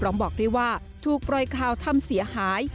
บอกด้วยว่าถูกปล่อยข่าวทำเสียหาย